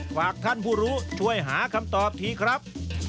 ฝากท่านผู้รู้ช่วยหาคำตอบทีครับ